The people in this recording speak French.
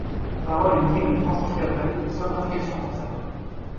Paroles et musique de Francis Cabrel, sauf indication contraire.